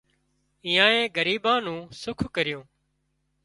ايئانئي ڳريٻان نُون سُک ڪريون